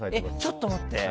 ちょっと待って。